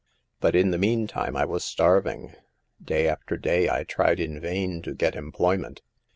But in the mean time I was starving. Day after day I tried in vain to get employment.